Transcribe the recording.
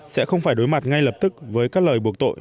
sẽ không phải đối mặt ngay lập tức với các lời buộc tội